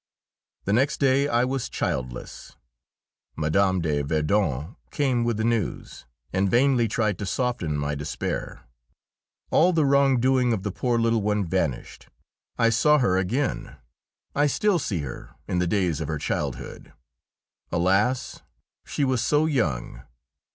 The next day I was childless! Mme. de Verdun came with the news, and vainly tried to soften my despair. All the wrongdoing of the poor little one vanished I saw her again, I still see her, in the days of her childhood. Alas! she was so young!